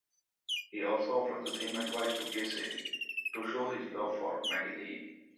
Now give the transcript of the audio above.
He also offers the same advice to Gussie, to show his love for Madeline.